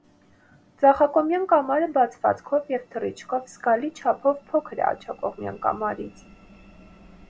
Ձախակողմյան կամարը բացվածքով և թռիչքով զգալի չափով փոքր է աջակողմյան կամարից։